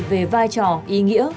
về vai trò ý nghĩa